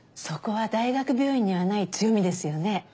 そこは大学病院にはない強みですよね。